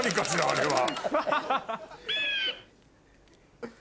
あれは。